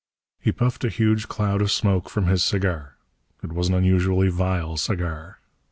He puffed a huge cloud of smoke from his cigar. It was an unusually vile cigar.